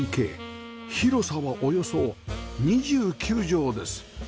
広さはおよそ２９畳です